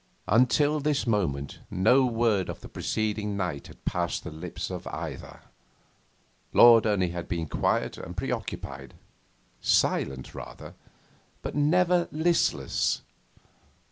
Until this moment no word of the preceding night had passed the lips of either. Lord Ernie had been quiet and preoccupied, silent rather, but never listless.